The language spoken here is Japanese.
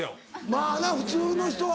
まぁな普通の人は。